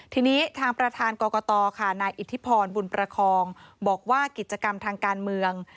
ทีนี้ทางประธานกรกตค่ะนายอิทธิพรบุญประคองบอกว่ากิจกรรมทางการเมือง